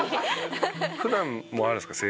普段もあるんですか？